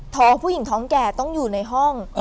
ผู้หญิงท้องแก่ต้องอยู่ในห้อง